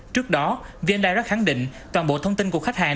trước đó vn direct khẳng định toàn bộ thông tin của khách hàng